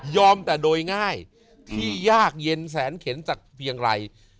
แต่โดยง่ายที่ยากเย็นแสนเข็นจากเพียงไร